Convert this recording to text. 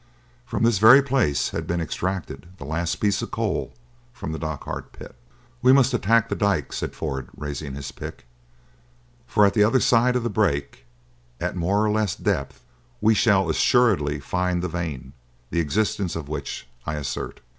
From this very place had been extracted the last piece of coal from the Dochart pit. "We must attack the dyke," said Ford, raising his pick; "for at the other side of the break, at more or less depth, we shall assuredly find the vein, the existence of which I assert."